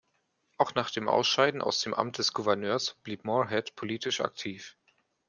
Auch nach dem Ausscheiden aus dem Amt des Gouverneurs blieb Morehead politisch aktiv.